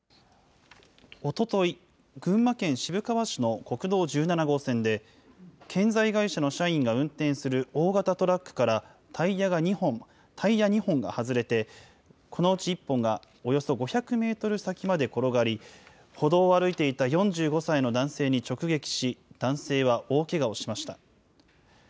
おととい、群馬県渋川市の国道１７号線で、建材会社の社員が運転する大型トラックからタイヤ２本が外れて、このうち１本がおよそ５００メートル先まで転がり、歩道を歩いていた４５歳の男性に直撃し、男性は大けがをしました。